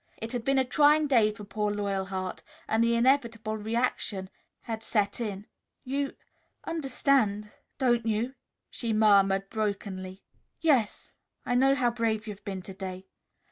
It had been a trying day for poor Loyalheart and the inevitable reaction had set in. "You understand don't you?" she murmured brokenly. "Yes; I know how brave you've been to day."